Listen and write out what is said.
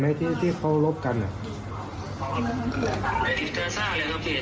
แล้วตอนนี้เขาจะยิงกันไหมยิงยิงอยู่ครับเสียง